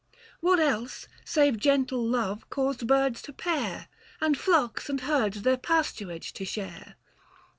What else save gentle love caused birds to pair, no And flocks and herds their pasturage to share